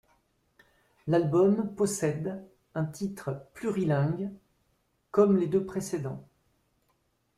L'album possède un titre plurilingue, comme les deux précédents.